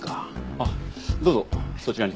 あっどうぞそちらに。